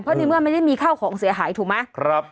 พ่อนี่เมื่อไม่ได้มีข้าวของเสียหายถูกมั้ย